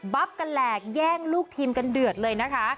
ับกันแหลกแย่งลูกทีมกันเดือดเลยนะคะ